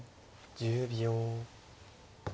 １０秒。